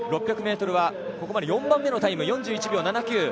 ６００ｍはここまで４番目のタイム４１秒７９。